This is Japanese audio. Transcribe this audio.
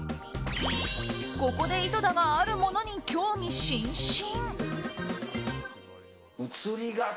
ここで井戸田があるものに興味津々。